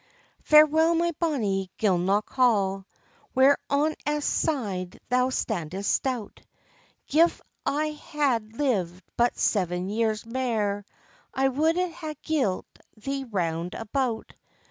"Farewell, my bonnie Gilnock hall, Where on Esk side thou standest stout! Gif I had lived but seven years mair, I wou'd ha'e gilt thee round about."